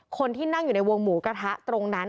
คนที่นั่งอยู่ในวงหมูกระทะตรงนั้น